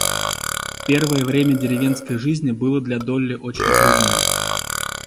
Первое время деревенской жизни было для Долли очень трудное.